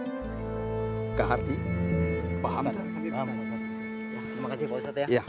iya terima kasih